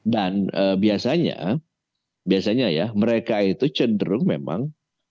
dan biasanya ya mereka itu cenderung memang